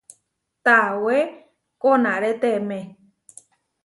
Tawé koʼnarétemé.